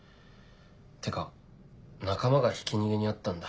ってか仲間がひき逃げに遭ったんだ。